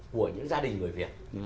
của những gia đình người việt